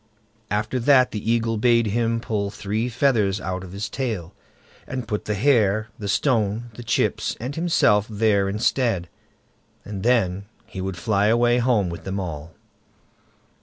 After that the Eagle bade him pull three feathers out of his tail, and put the hare, the stone, the chips, and himself there instead, and then he would fly away home with them all.